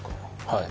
はい。